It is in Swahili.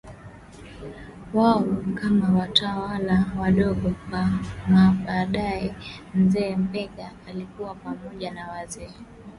wao kama watawala wadogo mahali pa mamaBaadaye mzee Mbegha alikaa pamoja na wazee